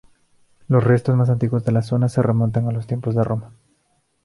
Los restos más antiguos de la zona se remontan a los tiempos de Roma.